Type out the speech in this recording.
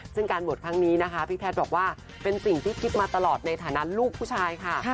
ซึ่งการบวชครั้งนี้นะคะพี่แพทย์บอกว่าเป็นสิ่งที่คิดมาตลอดในฐานะลูกผู้ชายค่ะ